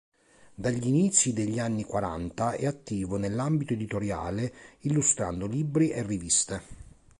Dagli inizi degli anni quaranta, è attivo nell'ambito editoriale, illustrando libri e riviste.